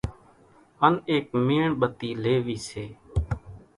ان ايڪ ميڻ ٻتي ليوي سي،